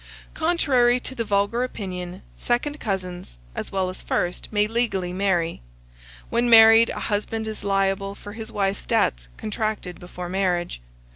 Contrary to the vulgar opinion, second cousins, as well as first, may legally marry. When married, a husband is liable for his wife's debts contracted before marriage.